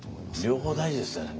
両方大事ですよね。